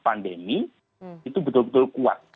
pandemi itu betul betul kuat